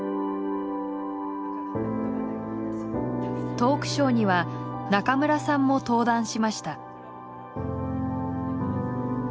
トークショーには中村さんも登壇しました。